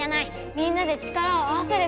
みんなで力を合わせれば。